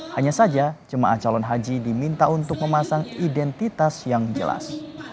hanya saja jemaah calon haji diminta untuk memasang identitas yang jelas